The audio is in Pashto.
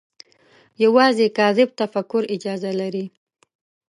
یوازې کاذب تفکر اجازه لري